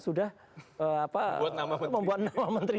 sudah membuat nama menteri